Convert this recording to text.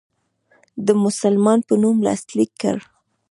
د مسلمان په نوم لاسلیک کړ.